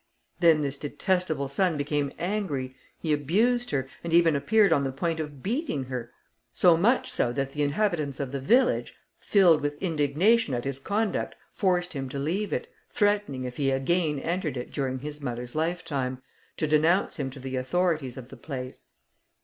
Then this detestable son became angry, he abused her, and even appeared on the point of beating her, so much so that the inhabitants of the village, filled with indignation at his conduct, forced him to leave it, threatening if he again entered it during his mother's lifetime, to denounce him to the authorities of the place.